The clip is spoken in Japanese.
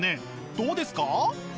どうですか？